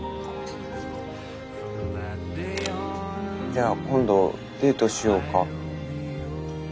じゃあ今度デートしようか？